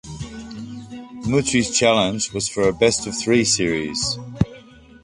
Mutrie's challenge was for a best-of-three series.